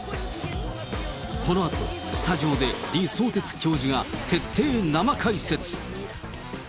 このあと、スタジオで李相哲教授が徹底生解説。